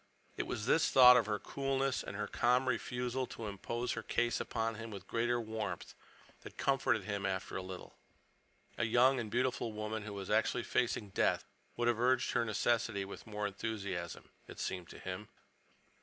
It was this thought of her coolness and her calm refusal to impose her case upon him with greater warmth that comforted him after a little. A young and beautiful woman who was actually facing death would have urged her necessity with more enthusiasm, it seemed to him.